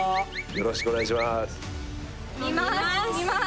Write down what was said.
よろしくお願いします